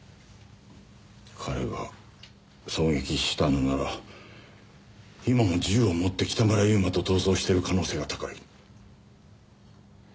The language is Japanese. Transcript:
彼が狙撃したのなら今も銃を持って北村悠馬と逃走している可能性が高い。